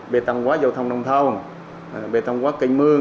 bề tăng quá giao thông nông thôn bề tăng quá kênh mương